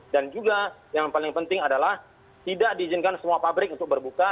dan juga yang paling penting adalah tidak diizinkan semua pabrik untuk berbuka